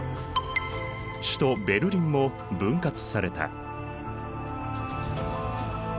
首都ベルリンも分割された。